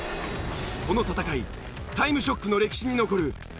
この戦い『タイムショック』の歴史に残る超熾烈な一戦に！